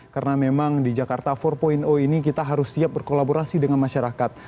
karena memang di jakarta empat ini kita harus siap berkolaborasi dengan masyarakat